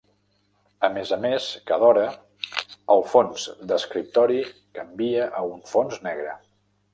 A més a més cada hora, el fons d'escriptori canvia a un fons negre.